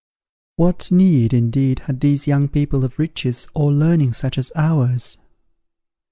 What need, indeed, had these young people of riches or learning such as ours?